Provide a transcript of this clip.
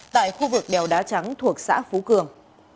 tại khu vực đèo đá trắng thuộc xã phú cường